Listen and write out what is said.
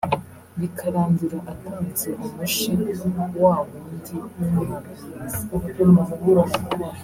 bikarangira atanze umushi wa wundi w’umwana mwiza